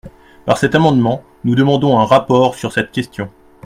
Par cet amendement, nous demandons un rapport sur cette question.